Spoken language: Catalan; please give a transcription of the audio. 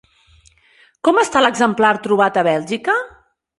Com està l'exemplar trobat a Bèlgica?